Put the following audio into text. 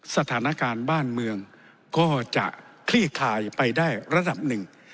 สถานการณ์บ้านเมืองก็จะคลี่คลายไปได้ระดับหนึ่ง